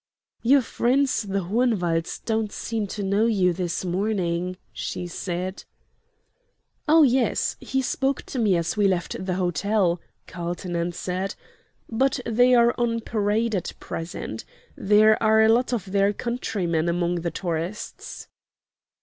"Your friends the Hohenwalds don't seem to know you this morning," she said. "Oh yes; he spoke to me as we left the hotel," Carlton answered. "But they are on parade at present. There are a lot of their countrymen among the tourists."